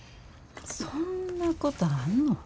そんなことあんの？